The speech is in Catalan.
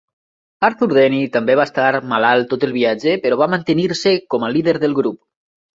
Arthur Denny també va estar malalt tot el viatge, però va mantenir-se com a líder del grup.